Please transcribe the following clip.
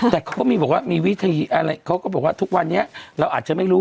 แต่เขาก็มีบอกว่ามีวิธีอะไรเขาก็บอกว่าทุกวันนี้เราอาจจะไม่รู้